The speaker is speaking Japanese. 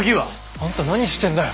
あんた何してんだよ。